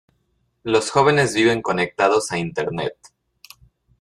Los jóvenes viven conectados a Internet.